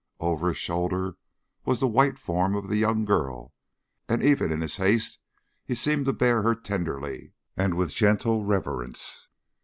Over his shoulder was the white form of the young girl, and even in his haste he seemed to bear her tenderly and with gentle reverence.